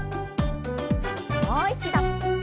もう一度。